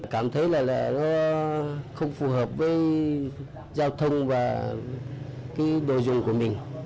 cảm thấy là nó không phù hợp với giao thông và cái đồ dùng của mình